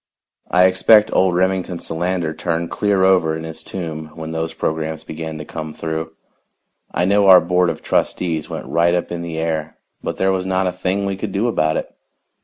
I expect old Remington Solander turned clear over in his tomb when those programs began to come through. I know our board of trustees went right up in the air, but there was not a thing we could do about it.